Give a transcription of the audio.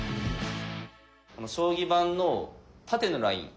この将棋盤の縦のライン